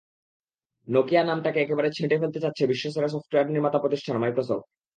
Nokia নামটাকে একেবারে ছেঁটে ফেলতে যাচ্ছে বিশ্বসেরা সফটওয়্যার নির্মাতা প্রতিষ্ঠান মাইক্রোসফট।